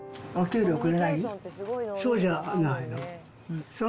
そうじゃないの。